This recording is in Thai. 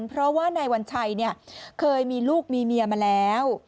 เพราะว่านายวัญชัยเคยมีลูกมีเมียมาแล้ว